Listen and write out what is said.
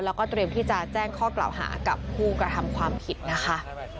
แล้วก็เตรียมที่จะแจ้งข้อกล่าวหากับผู้กระทำความผิดนะคะ